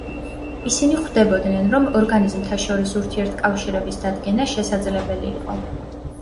ისინი ხვდებოდნენ, რომ ორგანიზმთა შორის ურთიერთკავშირების დადგენა შესაძლებელი იყო.